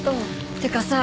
ってかさ